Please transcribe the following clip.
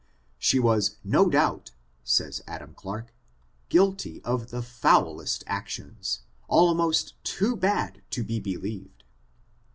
She was no doubt [says Adam Clarke] guilty of the foulest actions, almost too bad to be believed.